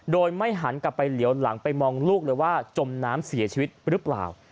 โดยไม่หันกลับไปเหลียวหลังไปมองลูกเลยว่าจมน้ำเสียชีวิตหรือเปล่า